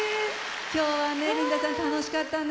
今日はねリンダさん楽しかったね